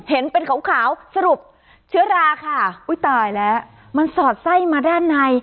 เห็นเป็นขาวสรุปเชื้อราค่ะอุ้ยตายแล้วมันสอดไส้มาด้านใน